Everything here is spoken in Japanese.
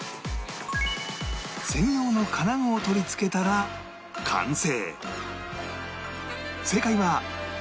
専用の金具を取り付けたら完成